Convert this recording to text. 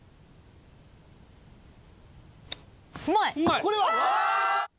これは？